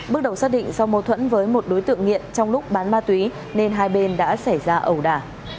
bước đầu xác định do mâu thuẫn với một đối tượng nghiện trong lúc bán ma túy nên hai bên đã xảy ra ẩu đả